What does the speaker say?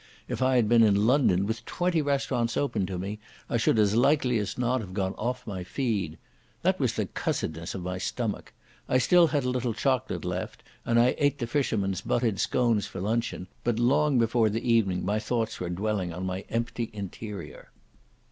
If I had been in London with twenty restaurants open to me, I should as likely as not have gone off my feed. That was the cussedness of my stomach. I had still a little chocolate left, and I ate the fisherman's buttered scones for luncheon, but long before the evening my thoughts were dwelling on my empty interior.